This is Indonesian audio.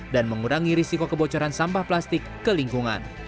dan mengurangi risiko kebocoran sampah plastik ke lingkungan